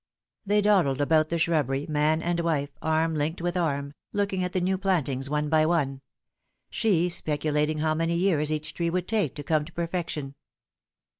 They dawdled about the shrubbery, man and wife, arm linked with arm, looking at the new plantings one by one ; she speculating how many years each tree would take to come to per fection.